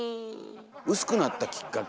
薄くなったきっかけ。